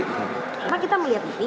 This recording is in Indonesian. emang kita melihat itu